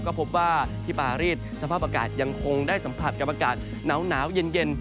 ก็พบว่าที่ปารีสสภาพอากาศยังคงได้สัมผัสกับอากาศหนาวเย็น